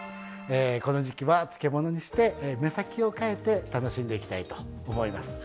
この時季は漬物にして目先を変えて楽しんでいきたいと思います。